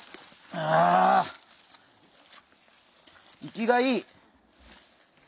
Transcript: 生きがいい！